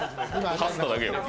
かすっただけよ。